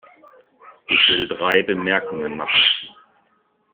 Ich will drei Bemerkungen machen.